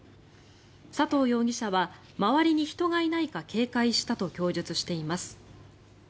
佐藤容疑者は周りに人がいないか警戒したと供述しています。